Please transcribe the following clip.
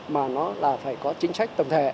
mà nó là phải có chính sách tổng thể